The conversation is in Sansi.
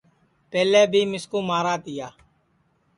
پہلے بی مِسکُو مارا تیا